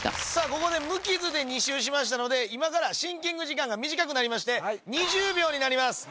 ここで無傷で２周したので今からシンキング時間が短くなりまして２０秒になります